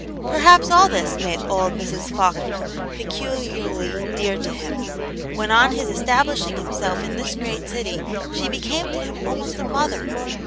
Perhaps, all this made old Mrs. Faulkner peculiarly dear to him, when on his establishing himself in this great city, she became to him almost a mother.